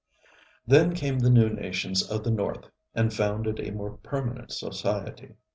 Then came the new nations of the North and founded a more permanent society.